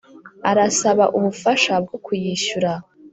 Arasaba ubufasha bwo kuyishyura